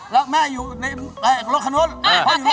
แล้วแม่อยู่ในรถคันนู้น